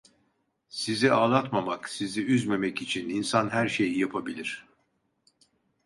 Sizi ağlatmamak, sizi üzmemek için insan her şeyi yapabilir.